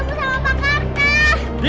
jangan lupa untuk berikan duit